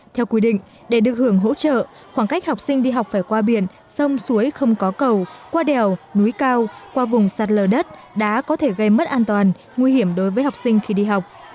theo quy định để được hưởng hỗ trợ khoảng cách học sinh đi học phải qua biển sông suối không có cầu qua đèo núi cao qua vùng sạt lở đất đã có thể gây mất an toàn nguy hiểm đối với học sinh khi đi học